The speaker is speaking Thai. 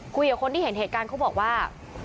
คุยกับคนที่เห็นเหตุการณ์เขาบอกว่า